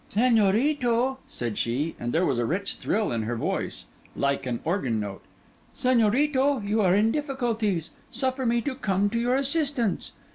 'Señorito,' said she, and there was a rich thrill in her voice, like an organ note, 'Señorito, you are in difficulties. Suffer me to come to your assistance.